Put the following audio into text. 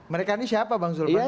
mereka ini siapa bang zulfan